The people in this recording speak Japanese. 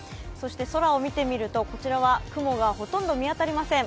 空を見てみると、こちらは雲がほとんど見当たりません。